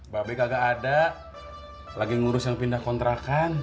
babe kagak ada lagi ngurus yang pindah kontrakan